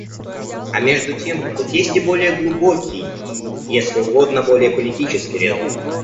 А между тем тут есть и более глубокий и, если угодно, более политический резон.